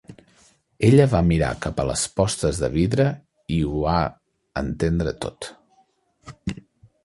Ella va mirar cap a les postes de vidre i ho ha entendre tot.